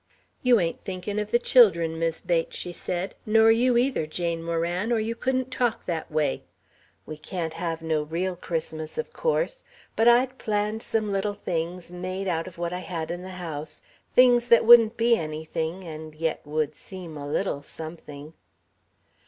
"You ain't thinking of the children, Mis' Bates," she said, "nor you either, Jane Moran, or you couldn't talk that way. We can't have no real Christmas, of course. But I'd planned some little things made out of what I had in the house: things that wouldn't be anything, and yet would seem a little something."